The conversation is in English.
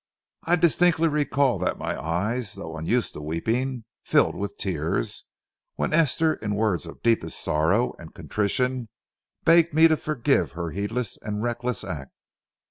I distinctly recall that my eyes, though unused to weeping, filled with tears, when Esther in words of deepest sorrow and contrition begged me to forgive her heedless and reckless act.